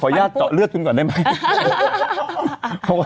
ญาติเจาะเลือดคุณก่อนได้ไหม